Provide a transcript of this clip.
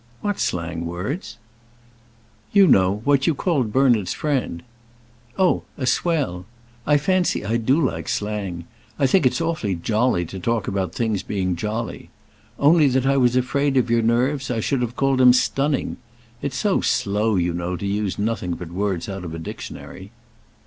"What slang words?" "You know what you called Bernard's friend." "Oh; a swell. I fancy I do like slang. I think it's awfully jolly to talk about things being jolly. Only that I was afraid of your nerves I should have called him stunning. It's so slow, you know, to use nothing but words out of a dictionary."